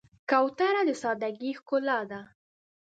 کوتره د سادګۍ ښکلا ده.